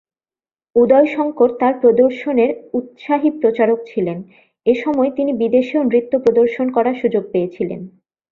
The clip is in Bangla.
উদয় শঙ্কর তাঁর প্রদর্শনের উৎসাহী প্রচারক ছিলেন, এই সময়ে তিনি বিদেশেও নৃত্য প্রদর্শন করার সুযোগ পেয়েছিলেন।